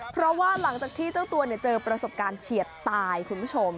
เพราะว่าหลังจากที่เจ้าตัวเจอประสบการณ์เฉียดตายคุณผู้ชม